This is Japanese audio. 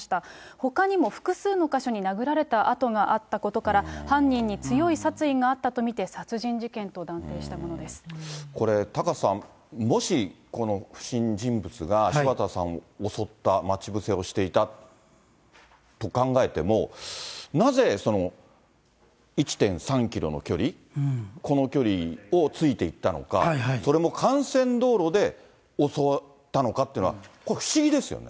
ほかにも複数の箇所に殴られた痕があったことから、犯人に強い殺意があったと見て、これ、タカさん、もし、この不審人物が柴田さんを襲った、待ち伏せをしていたと考えても、なぜ１．３キロの距離、この距離をついていったのか、それも幹線道路で襲ったのかというのは、不思議ですよね。